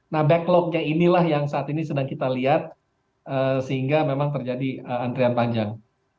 nah backlognya inilah yang saat ini sedang kita lihat sehingga memang terjadi antrian panjang